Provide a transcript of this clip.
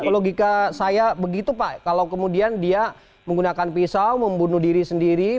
logika saya begitu pak kalau kemudian dia menggunakan pisau membunuh diri sendiri